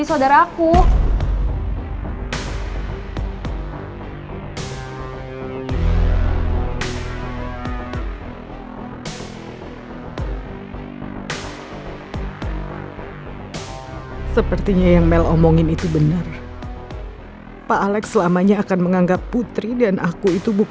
aku yang ngerusak